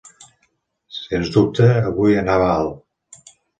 Sens dubte, avui anava alt.